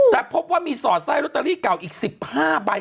แต่พบว่ามีสอดไส้ลอตเตอรี่เก่าอีก๑๕ใบ